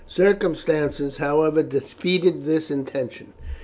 Circumstances, however, defeated this intention.